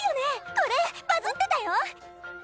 これバズってたよ！